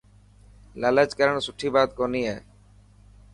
لالچ ڪرڻ سٺي بات ڪونهي.